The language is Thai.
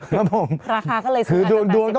ครับผมราคาก็เลยซื้ออาจจะ๘๐บาท